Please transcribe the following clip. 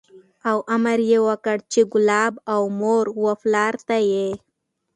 او امر یې وکړ چې کلاب او مور و پلار ته یې